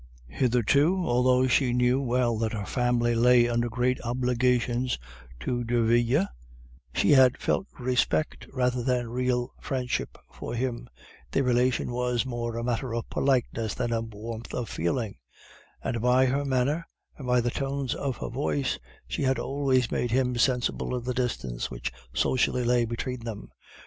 Hitherto, although she knew well that her family lay under great obligations to Derville, she had felt respect rather than real friendship for him, their relation was more a matter of politeness than of warmth of feeling; and by her manner, and by the tones of her voice, she had always made him sensible of the distance which socially lay between them.